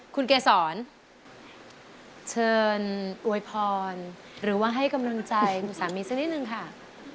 คุณเกษรเชิญอวยพรหรือว่าให้กำลังใจคุณสามีสักนิดนึงค่ะ